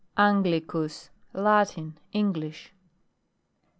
ANGLICUS. Latin. English.